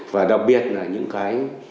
và đặc biệt là những cái